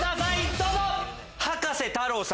どうぞ。